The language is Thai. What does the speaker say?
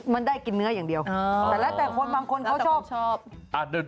มันได้กินเนื้ออย่างเดียวแต่แล้วแต่คนบางคนเขาชอบ